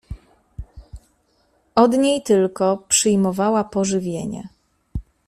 Od niej tylko przyjmowała pożywienie.